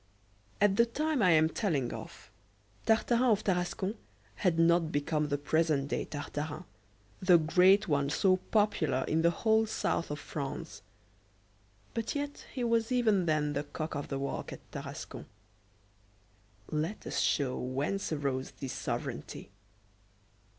AT the time I am telling of, Tartarin of Tarascon had not become the present day Tartarin, the great one so popular in the whole South of France: but yet he was even then the cock of the walk at Tarascon. Let us show whence arose this sovereignty.